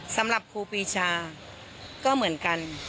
สำหรับครูปีชาก็เหมือนกัน